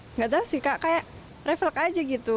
enggak tau sih kayak reflek aja gitu